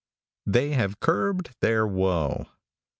THEY HAVE CURBED THEIR WOE.